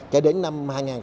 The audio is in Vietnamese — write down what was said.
cho đến năm hai nghìn năm